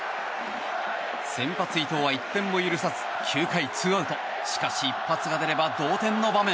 先発、伊藤は１点も許さず９回２アウトしかし一発が出れば同点の場面。